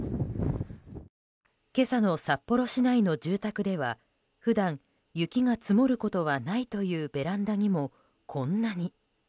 今朝の札幌市内の住宅では普段雪が積もることはないというベランダにもこんなに。